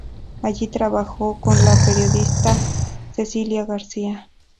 Allí trabajó con la periodista Cecilia García.